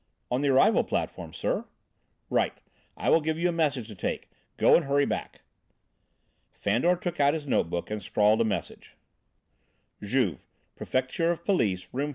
"On the arrival platform, sir." "Right. I will give you a message to take; go and hurry back." Fandor took out his note book and scrawled a message: "Juve, Prefecture of Police, Room 44.